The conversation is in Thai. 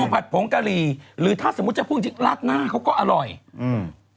ผัดผงกะหรี่หรือถ้าสมมุติจะพูดจริงจริงราดหน้าเขาก็อร่อยอืม